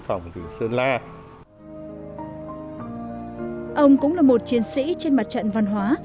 ông cũng là một chiến sĩ trên mặt trận văn hóa